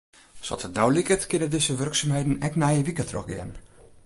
Sa't it no liket kinne dizze wurksumheden ek nije wike trochgean.